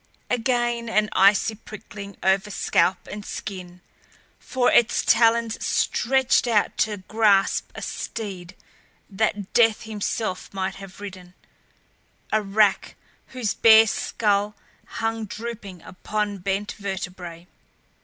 Again the icy prickling over scalp and skin for its talons stretched out to grasp a steed that Death himself might have ridden, a rack whose bare skull hung drooping upon bent vertebrae.